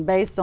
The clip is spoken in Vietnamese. và ở đó